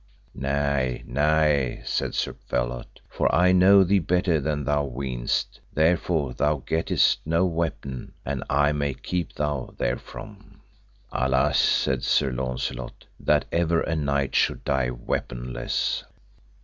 Nay, nay, said Sir Phelot, for I know thee better than thou weenest, therefore thou gettest no weapon, an I may keep you therefrom. Alas, said Sir Launcelot, that ever a knight should die weaponless.